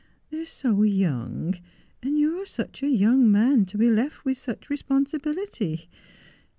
They are so young, and you are such a young man to be left with such responsibility.